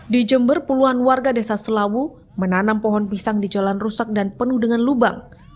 di jember puluhan warga desa selawu menanam pohon pisang di jalan rusak dan penuh dengan lubang